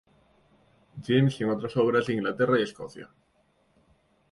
James y en otras obras de Inglaterra y Escocia.